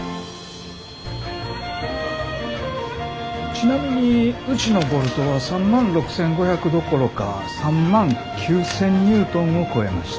ちなみにうちのボルトは３万６，５００どころか３万９，０００ニュートンを超えました。